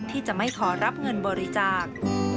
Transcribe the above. ที่จะไม่ขอรับเงินบริจาค